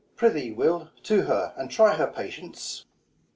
Mum. Prithee, Will, to her, and try her patience.